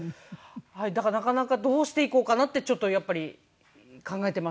だからなかなかどうしていこうかなってちょっとやっぱり考えてます